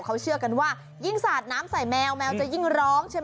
เขาเชื่อกันว่ายิ่งสาดน้ำใส่แมวแมวจะยิ่งร้องใช่ไหม